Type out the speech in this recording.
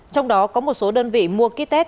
trong đó có một số đơn vị mua ký test